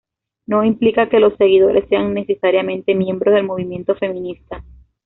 No implica que los seguidores sean necesariamente miembros del movimiento feminista.